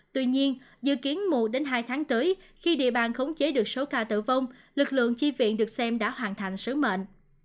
tuy nhiên dự kiến mùa đến hai tháng tới khi địa bàn khống chế được số ca tử vong lực lượng chi viện được xem đã hoàn thành sứ mệnh